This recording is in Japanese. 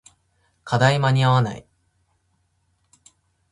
課題間に合わない